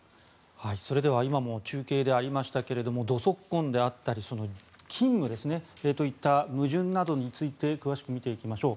それでは今も中継でありましたが土足痕であったり勤務といった矛盾などについて詳しく見ていきましょう。